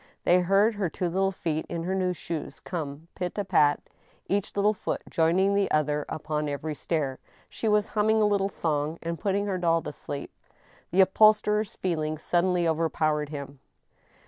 They heard her two little feet in her new shoes come pit a pat, each little foot joining the other upon every stair ; she was humming a little song, and putting her doll to sleep. The upholsterer's feelings suddenly overpowered him.